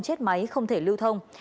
chết máy không thể lưu thông